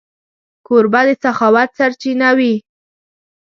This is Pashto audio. کوربه د سخاوت سرچینه وي.